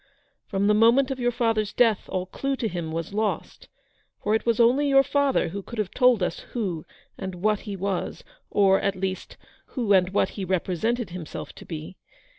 From the moment of your father's death all clue to him was lost ; for it was only your father who could have told us who and what he was, or, at least, who and what he represented himself to be.